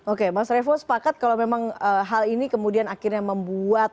oke mas revo sepakat kalau memang hal ini kemudian akhirnya membuat